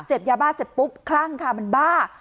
เสธยาบ้าเสธปุ๊บคลั่งค่ะมันบ้า